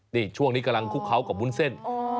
นี่ช่วงนี้กำลังคุกเขากับวุ้นเส้น